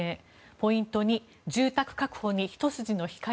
ポイント２住宅確保にひと筋の光？